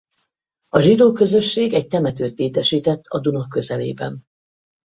A zsidó közösség egy temetőt létesített a Duna közelében.